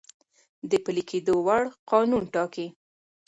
د پلی کیدو وړ قانون ټاکی ،